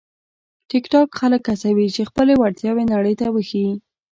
ټیکټاک خلک هڅوي چې خپلې وړتیاوې نړۍ ته وښيي.